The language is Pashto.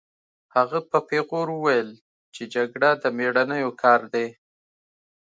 هغه په پیغور وویل چې جګړه د مېړنیو کار دی